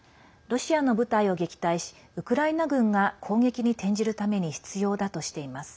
ロシアの部隊を撃退しウクライナ軍が攻撃に転じるために必要だとしています。